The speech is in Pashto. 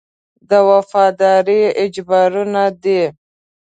د وفادارۍ اجبارونه دي.